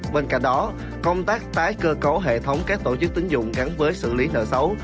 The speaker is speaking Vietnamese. bên cạnh đó công tác tái cơ cấu hệ thống các tổ chức tính dụng gắn với xử lý nợ xấu